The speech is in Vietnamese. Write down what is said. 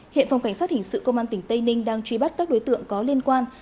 hiện phòng cảnh sát hình sự công an tỉnh tây ninh đang truy bắt các đối tượng có liên quan